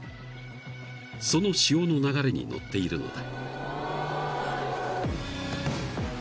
［その潮の流れに乗っているのだ］